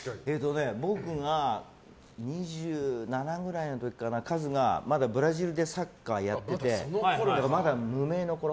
僕が２７くらいの時かなカズがまだブラジルでサッカーをやっててまだ無名のころ。